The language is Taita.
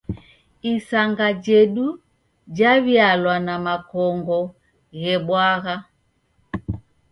Isanga jedu jaw'ialwa na makongo ghebwagha.